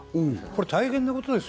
大変なことですよ。